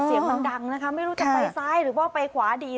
เสียงมันดังนะคะไม่รู้จะไปซ้ายหรือว่าไปขวาดี